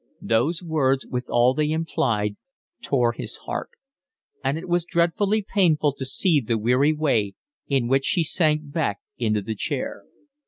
Those words, with all they implied, tore his heart, and it was dreadfully painful to see the weary way in which she sank back into the chair.